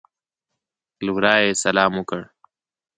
له ورایه یې سلام وکړ.